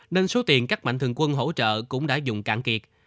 nên số tiền các mạnh thường quân hỗ trợ cũng đã dùng cạn kiệt